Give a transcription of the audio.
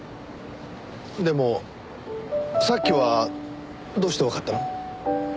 でもさっきはどうしてわかったの？